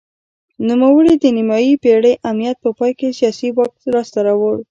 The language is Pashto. نوموړي د نیمايي پېړۍ امنیت په پای کې سیاسي واک لاسته راوړ.